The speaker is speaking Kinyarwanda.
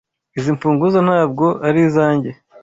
Izi mfunguzo ntabwo arizanjye.